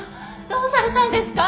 どうされたんですか？